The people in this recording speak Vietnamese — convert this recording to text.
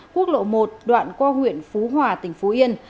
ba trăm ba mươi bốn một trăm linh quốc lộ một đoạn qua huyện phú hòa tỉnh phú yên